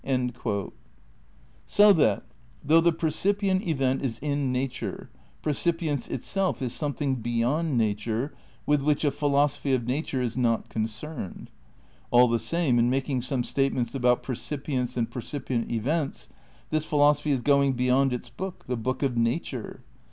* So that, though the percipient event is in nature, per cipience itself is something beyond nature, with which a philosophy of nature is not concerned. All the same, in making some statements about percipience and per cipient events this philosophy is going beyond its book, the book of nature.